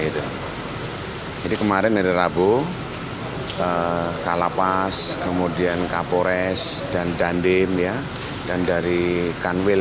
jadi kemarin dari rabu kalapas kemudian kapores dan dandim dan dari kanwil